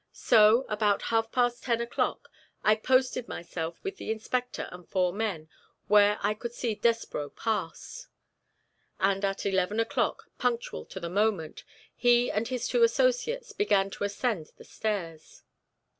So, about half past ten o'clock, I posted myself with the inspector and four men where I could see Despreau pass, and at eleven o'clock, punctual to the moment, he and his two associates began to ascend the stairs.